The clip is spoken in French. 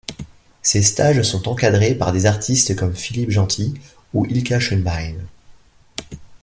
Ces stages sont encadrés par des artistes comme Philippe Genty ou Ilka Schönbein.